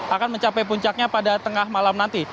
akan mencapai puncaknya pada tengah malam nanti